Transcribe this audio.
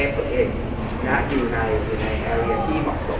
ตัวเองนะฮะอยู่ในอยู่ในที่เหมาะสม